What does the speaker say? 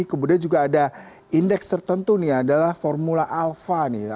kemudian juga ada indeks tertentu nih adalah formula alpha nih